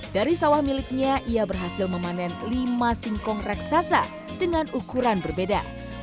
dari sawah miliknya ia berhasil memanen lima singkong raksasa dengan ukuran berbeda